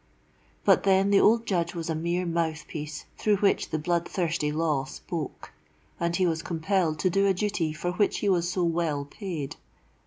But then the old Judge was a mere mouthpiece through which the blood thirsty law spoke; and he was compelled to do a duty for which he was so well paid.